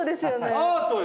アートよ